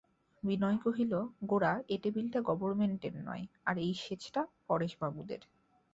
বিনয় কহিল, গোরা, এ টেবিলটা গবর্মেন্টের নয়, আর এই শেজটা পরেশবাবুদের।